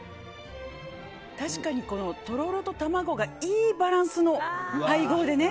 確かに、とろろと卵がいいバランスの配合でね。